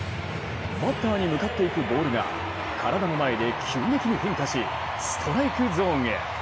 バッターに向かっていくボールが体の前で急激に変化しストライクゾーンへ。